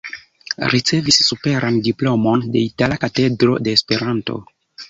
Ricevis superan diplomon de Itala Katedro de Esperanto.